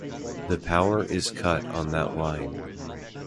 The power is cut on that line.